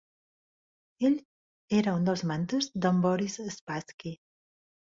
Ell era un dels mentors d'en Boris Spassky.